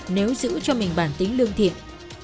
nếu giữ cho mình bản tính lương thiện